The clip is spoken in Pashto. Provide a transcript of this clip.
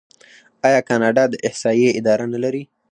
آیا کاناډا د احصایې اداره نلري؟